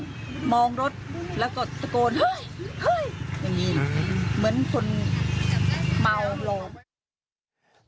มองรถแล้วก็ตะโกนเฮ้ยเหมือนคนเมาโรง